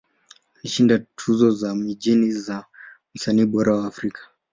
Alishinda tuzo za mijini za Msanii Bora wa Afrika.